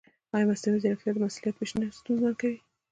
ایا مصنوعي ځیرکتیا د مسؤلیت وېش نه ستونزمن کوي؟